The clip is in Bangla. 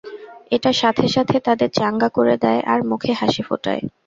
এটা সাথে সাথে তাদের চাঙ্গা করে দেয় আর মুখে হাসি ফোটায়।